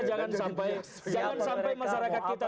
jangan sampai masyarakat kita